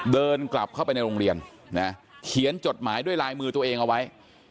เดินกลับเข้าไปในโรงเรียนนะเขียนจดหมายด้วยลายมือตัวเองเอาไว้